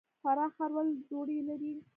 فراه ښار ولې دوړې لري؟